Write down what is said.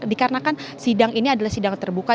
dikarenakan sidang ini adalah sidang terbuka